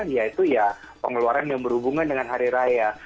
yaitu ya pengeluaran yang berhubungan dengan hari raya